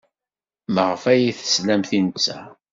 Maɣef ay as-teslamt i netta?